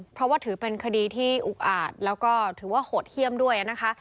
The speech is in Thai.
เพราะว่าถือเป็นคดีที่อุกอาจแล้วก็ถือว่าโหดเยี่ยมด้วยนะคะ